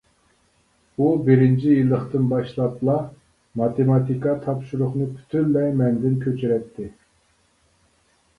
ئۇ بىرىنچى يىللىقتىن باشلاپلا ماتېماتىكا تاپشۇرۇقنى پۈتۈنلەي مەندىن كۆچۈرەتتى.